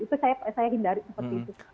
itu saya hindari seperti itu